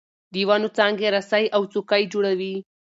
د ونو څانګې رسۍ او څوکۍ جوړوي.